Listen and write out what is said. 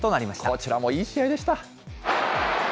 こちらもいい試合でした。